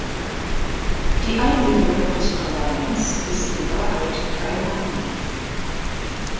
Die Einbindung des Parlaments ist in Wahrheit kein Anliegen.